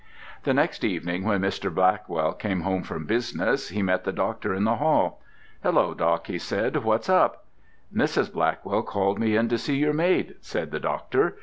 The next evening when Mr. Blackwell came home from business he met the doctor in the hall. "Hello, doc," he said, "what's up?" "Mrs. Blackwell called me in to see your maid," said the doctor.